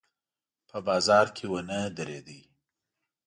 په بازار کې ونه درېدلو.